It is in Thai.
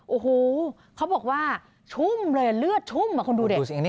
โอ้โหเขาบอกว่าชุ่มเลยเลือดชุ่มคุณดูดิ